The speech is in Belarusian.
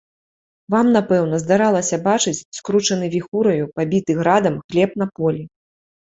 Вам, напэўна, здаралася бачыць скручаны віхураю, пабіты градам хлеб на полі.